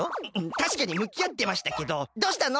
たしかにむきあってましたけど「どうしたの？